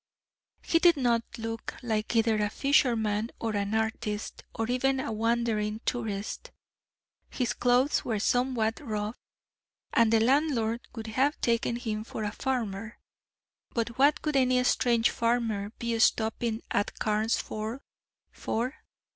He did not look like either a fisherman or an artist, or even a wandering tourist. His clothes were somewhat rough, and the landlord would have taken him for a farmer, but what could any strange farmer be stopping at Carnesford for?